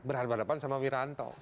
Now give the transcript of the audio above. berhadapan hadapan sama wiranto